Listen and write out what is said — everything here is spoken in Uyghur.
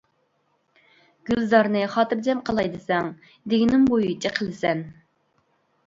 گۈلزارنى خاتىرجەم قىلاي دېسەڭ دېگىنىم بويىچە قىلىسەن.